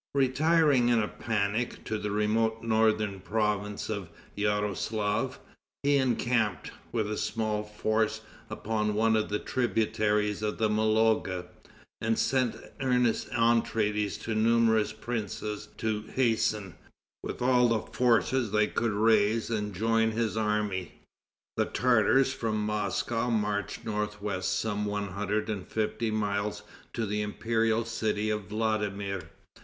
Retiring, in a panic, to the remote northern province of Yaroslaf, he encamped, with a small force, upon one of the tributaries of the Mologa, and sent earnest entreaties to numerous princes to hasten, with all the forces they could raise, and join his army. The Tartars from Moscow marched north west some one hundred and fifty miles to the imperial city of Vladimir.